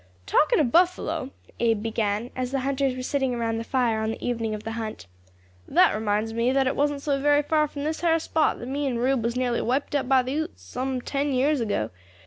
"Talking of buffalo," Abe began, as the hunters were sitting round the fire on the evening of the hunt, "that reminds me that it wasn't so very far from this har spot that me and Rube was nearly wiped out by the Utes some ten years ago.